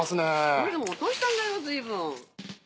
これでも落としたんだよずいぶん。